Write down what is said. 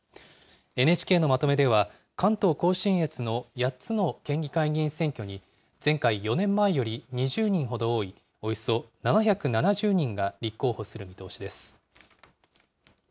ＮＨＫのまとめでは、関東甲信越の８つの県議会議員選挙に前回・４年前より２０人ほど多い、およそ７７０人が立候補する見通しです。